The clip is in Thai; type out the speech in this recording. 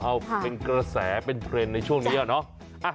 เอาเป็นกระแสเป็นเทรนด์ในช่วงนี้เนาะ